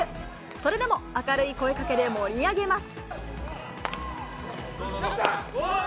それでも、明るい声かけで盛り上げます。